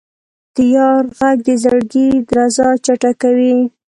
د یار ږغ د زړګي درزا چټکوي.